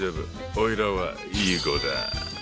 おいらはいい子だ。